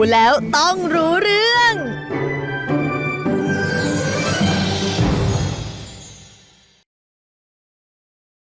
สวัสดีจ้าบ๊ายบาย